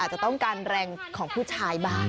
จะต้องการแรงของผู้ชายบ้าง